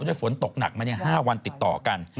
ได้ฝนตกหนักมา๕วันติดต่อกัน